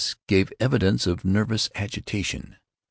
gave evidence of nervous agitation.